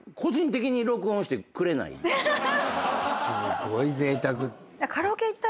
すごいぜいたく。